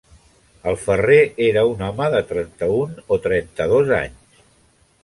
El ferrer era un home de trenta-un o trenta-dos anys.